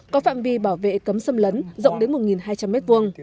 có phạm vi bảo vệ cấm xâm lấn rộng đến một hai trăm linh m hai